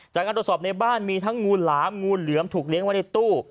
จากการตรวจสอบในบ้านมีทั้งงูหลามงูเหลือมถูกเลี้ยงไว้ในตู้